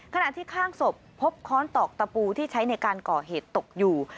ขณะที่ข้างศพพบค้อนตอกตะปูที่ใช้ในการก่อเหตุตกอยู่